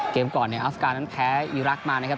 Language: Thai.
เกมก่อนเนี่ยอาฟกานแพ้อีรักมานะครับ